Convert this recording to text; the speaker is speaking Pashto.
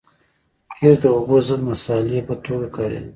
قیر د اوبو ضد مصالحې په توګه کارېده